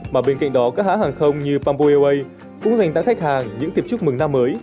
mà bên cạnh đó các hãng hàng không như pamboo airways cũng dành tặng khách hàng những tip chúc mừng năm mới